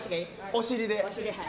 お尻で！